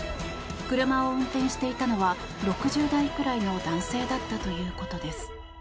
車を運転していたのは６０代くらいの男性だったということです。